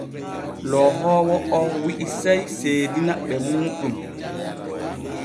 Loohoowo o wi’i sey seedina ɓe muuɗum.